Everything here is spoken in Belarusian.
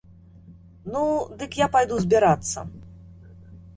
Ну, дык я пайду збірацца.